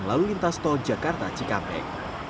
lalu lintas tol jakarta cikampek